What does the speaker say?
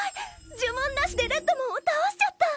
じゅもんなしでレッドモンをたおしちゃった！